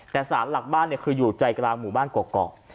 แต่สารหลักบ้านคืออยู่ใจกลางหมู่บ้านกรอก